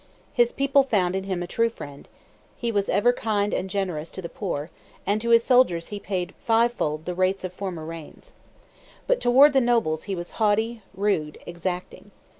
His people found in him a true friend, he was ever kind and generous to the poor, and to his soldiers he paid fivefold the rates of former reigns. But toward the nobles he was haughty, rude, exacting.